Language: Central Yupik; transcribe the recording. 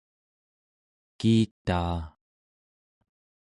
kiitaa